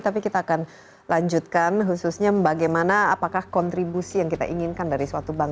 tapi kita akan lanjutkan khususnya bagaimana apakah kontribusi yang kita inginkan dari suatu bank